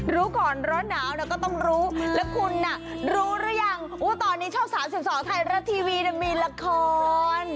รู้ก่อนร้อนหนาวก็ต้องรู้แล้วคุณรู้หรือยังตอนนี้ช่อง๓๒ไทยรัฐทีวีมีละคร